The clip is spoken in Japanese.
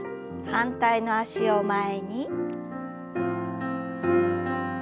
反対の脚を前に。